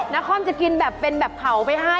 นครจะกินแบบเป็นแบบเผาไปให้